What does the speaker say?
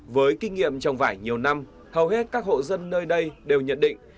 với kinh nghiệm trồng vải nhiều năm hầu hết các hộ dân nơi đây đều nhận định